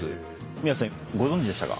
宮世さんご存じでしたか？